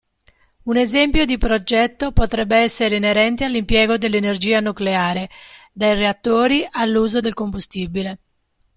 Un esempio di progetto potrebbe essere inerente all'impiego dell'energia nucleare, dai reattori, all'uso del combustibile.